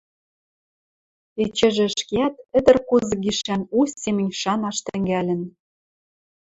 эчежӹ ӹшкеӓт ӹдӹр кузык гишӓн у семӹнь шанаш тӹнгӓлӹн.